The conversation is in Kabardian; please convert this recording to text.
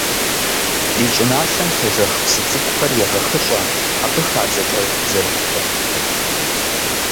Ди щӏыналъэм щежэх псы цӀыкӀухэр егъэхыщӀэ абы хадзэ кӀэрыхубжьэрыхухэм.